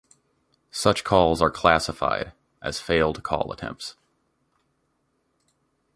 Such calls are classified as failed call attempts.